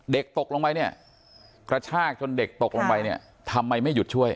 ตกลงไปเนี่ยกระชากจนเด็กตกลงไปเนี่ยทำไมไม่หยุดช่วย